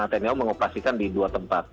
tni au mengoperasikan di dua tempat